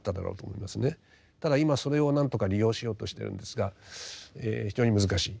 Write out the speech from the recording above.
ただ今それを何とか利用しようとしてるんですが非常に難しい。